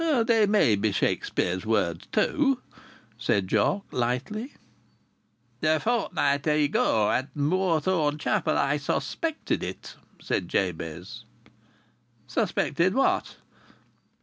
"They may be Shakspere's words too," said Jock, lightly. "A fortnight ago, at Moorthorne Chapel, I suspected it," said Jabez. "Suspected what?"